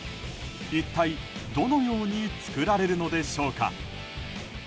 一体どのように作られるのでしょうか。